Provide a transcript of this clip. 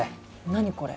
何これ？